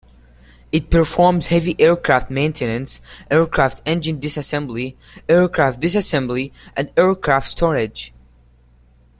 It performs heavy aircraft maintenance, aircraft engine disassembly, aircraft disassembly, and aircraft storage.